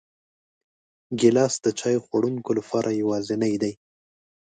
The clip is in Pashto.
ګیلاس د چای خوړونکو لپاره یوازینی دی.